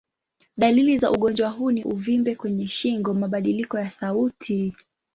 Dalili za ugonjwa huu ni uvimbe kwenye shingo, mabadiliko ya sauti.